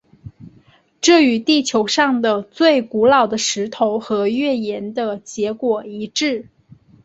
这与地球上的最古老的石头和月岩的结果一致。